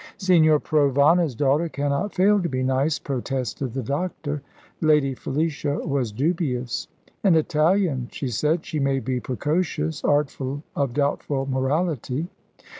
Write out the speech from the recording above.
"Signor Provana's daughter cannot fail to be nice," protested the doctor. Lady Felicia was dubious. "An Italian!" she said. "She may be precocious artful of doubtful morality."